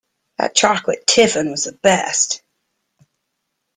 That chocolate tiffin was the best!